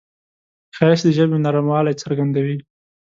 ښایست د ژبې نرموالی څرګندوي